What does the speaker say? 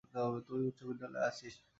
তুই উচ্চ বিদ্যালয়ে আছিস।